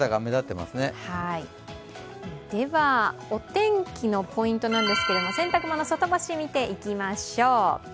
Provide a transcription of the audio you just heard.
お天気のポイントなんですけれども、洗濯物外干し、見ていきましょう。